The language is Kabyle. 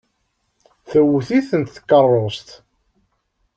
Tewwet-itent tkeṛṛust.